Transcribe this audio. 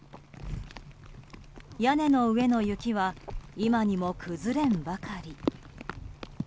屋根の上の雪は今にも崩れんばかり。